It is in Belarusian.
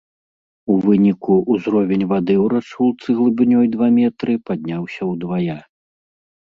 У выніку, узровень вады ў рачулцы глыбінёй два метры падняўся ўдвая.